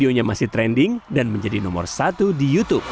namun dia berdiri